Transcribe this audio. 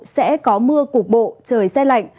sẽ có mưa cục bộ trời say lạnh